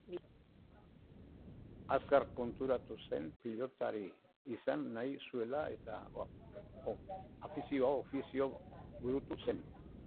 Azkar konturatu zen pilotari izan nahi zuela eta afizioa ofizo bihurtu zen.